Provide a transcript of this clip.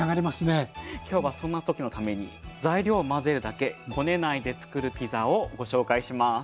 今日はそんな時のために材料を混ぜるだけこねないでつくるピザをご紹介します。